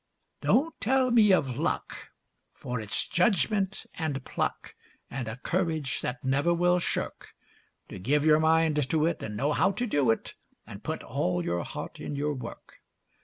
Don't tell me of luck, for its judgment and pluck And a courage that never will shirk; To give your mind to it and know how to do it And put all your heart in your work.